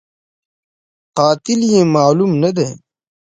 قاتل یې معلوم نه دی